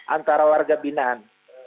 antara warga binan